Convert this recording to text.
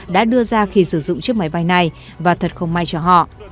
đã đưa ra khi sử dụng chiếc máy bay này và thật không may cho họ